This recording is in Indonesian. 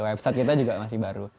website kita juga masih baru